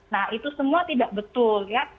nah itu semua tidak betul ya